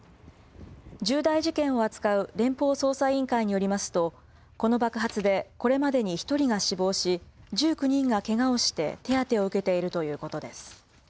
重大事件を扱う連邦捜査委員会によりますと、この爆発で、これまでに１人が死亡し、１９人がけがをして手当てを受けているということです。